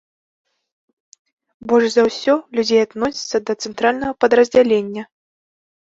Больш за ўсё людзей адносіцца да цэнтральнага падраздзялення.